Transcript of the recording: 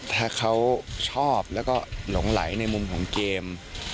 ถ้าเขาชอบแล้วก็หลงไหลในมุมของเกม